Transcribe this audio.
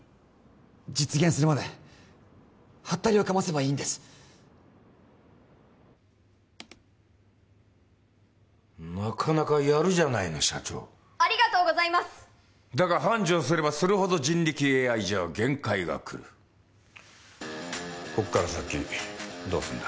実現するまでハッタリをかませばいいんですなかなかやるじゃないの社長ありがとうございますだが繁盛すればするほど人力ＡＩじゃ限界がくるこっから先どうすんだ？